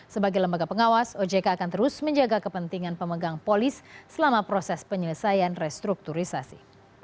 sebagai lembaga pengawas ojk akan terus menjaga kepentingan pemegang polis selama proses penyelesaian restrukturisasi